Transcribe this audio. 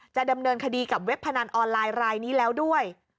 จะดำเนินคดีกับเว็บพนันออนไลน์รายนี้แล้วด้วย